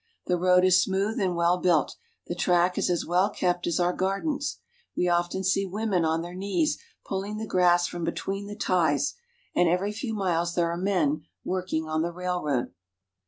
The road is smooth and well built ; the track is as well kept as our gardens. We often see women on their knees pulling the grass from between the ties, and every few miles there are men working on the railroad.